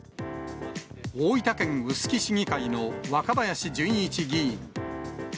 大分県臼杵市議会の若林純一議員。